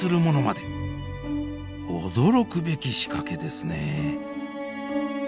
驚くべき仕掛けですね。